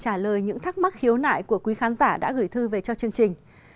chúng tôi sẽ trả lời những thắc mắc khiếu nại của quý khán giả đã gửi thư về cho chương trình